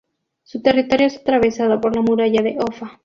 Su territorio es atravesado por la muralla de Offa.